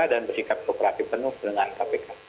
dan bersikap kooperatif penuh dengan kpk